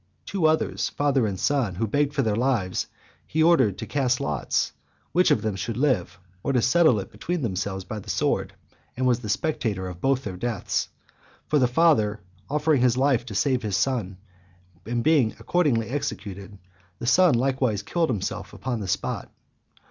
Two others, father and son, who begged for their lives, he ordered to cast lots which of them should live, or settle it between themselves by the sword; and was a spectator of both their deaths: for the father offering his life to save his son, and being accordingly executed, the son likewise killed himself upon the spot.